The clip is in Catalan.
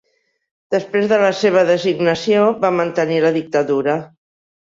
Després de la seva designació, va mantenir la dictadura.